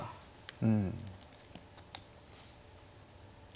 うん。